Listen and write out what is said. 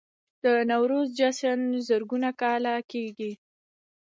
د نوروز جشن زرګونه کاله کیږي